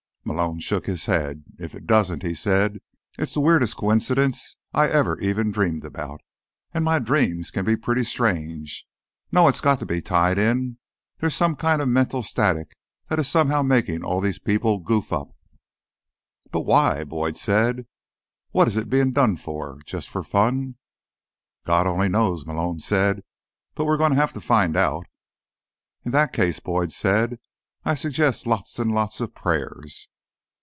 Malone shook his head. "If it doesn't," he said, "it's the weirdest coincidence I've ever even dreamed about, and my dreams can be pretty strange. No, it's got to be tied in. There's some kind of mental static that is somehow making all these people goof up." "But why?" Boyd said. "What is it being done for? Just fun?" "God only knows," Malone said. "But we're going to have to find out." "In that case," Boyd said, "I suggest lots and lots of prayers."